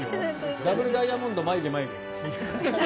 ダブルダイヤモンド眉毛、眉毛。